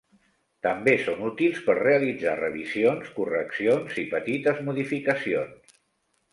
També són útils per realitzar revisions, correccions i petites modificacions.